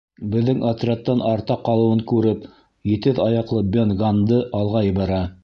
Беҙҙең отрядтан артта ҡалыуын күреп, етеҙ аяҡлы Бен Ганнды алға ебәрә.